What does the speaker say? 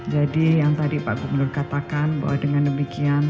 jadi yang tadi pak gubernur katakan bahwa dengan demikian